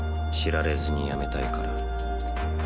知られずにやめたいから